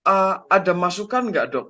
ee ada masukan gak dok